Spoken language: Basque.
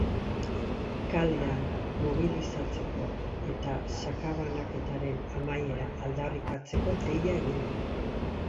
Kalean mobilizitzako eta sakabanaketaren amaiera aldarrikatzeko deia egin du.